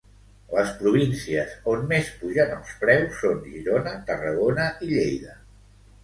Les províncies on més pugen els preus són Girona, Tarragona i Lleida.